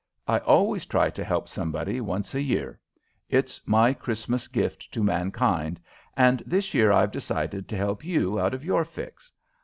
I always try to help somebody once a year. It's my Christmas gift to mankind, and this year I've decided to help you out of your fix.